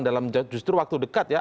dalam justru waktu dekat ya